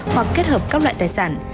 hoặc kết hợp các loại tài sản